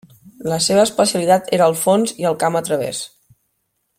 La seva especialitat era el fons i el camp a través.